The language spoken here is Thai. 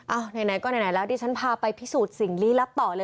ไหนก็ไหนแล้วดิฉันพาไปพิสูจน์สิ่งลี้ลับต่อเลย